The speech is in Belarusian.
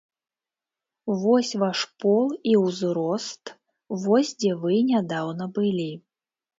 Вось ваш пол і ўзрост, вось дзе вы нядаўна былі.